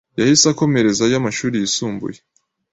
Yahise akomerezayo amashuri yisumbuye